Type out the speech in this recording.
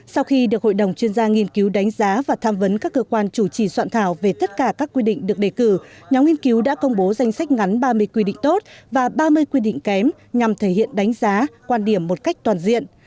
sau khi được hội đồng chuyên gia nghiên cứu đánh giá và tham vấn các cơ quan chủ trì soạn thảo về tất cả các quy định được đề cử nhóm nghiên cứu đã công bố danh sách ngắn ba mươi quy định tốt và ba mươi quy định kém nhằm thể hiện đánh giá quan điểm một cách toàn diện